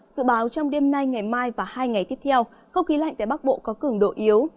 dự báo trong đêm nay ngày mai và hai ngày tiếp theo không khí lạnh tại bắc bộ có cường độ yếu